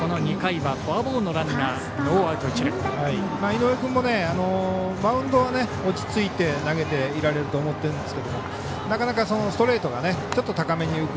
井上君もマウンドは落ち着いて投げていられると思ってるんですがなかなか、ストレートがちょっと高めに浮く。